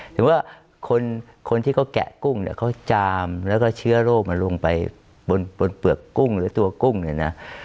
ถึงว่าคนที่เขาแกะกุ้งเนี่ยเขาจามแล้วก็เชื้อโรคมันลงไปบนเปลือกกุ้งหรือตัวกุ้งเนี่ยนะ